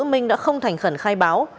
minh đã không thành khẩn khai báo